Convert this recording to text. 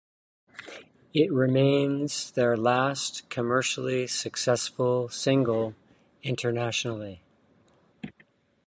It remains their last commercially successful single internationally.